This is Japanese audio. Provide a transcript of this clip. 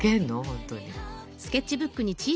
本当に。